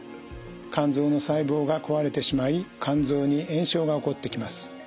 肝臓の細胞が壊れてしまい肝臓に炎症が起こってきます。